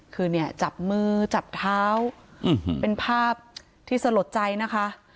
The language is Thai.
คือเนี่ยจับมือจับเท้าเป็นภาพที่สลดใจนะคะ